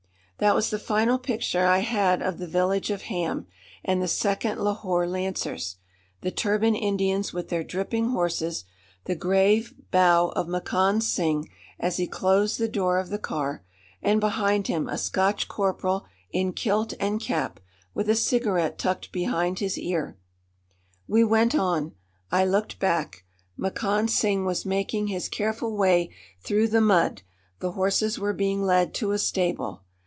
That was the final picture I had of the village of Ham and the Second Lahore Lancers the turbaned Indians with their dripping horses, the grave bow of Makand Singh as he closed the door of the car, and behind him a Scotch corporal in kilt and cap, with a cigarette tucked behind his ear. We went on. I looked back, Makand Singh was making his careful way through the mud; the horses were being led to a stable.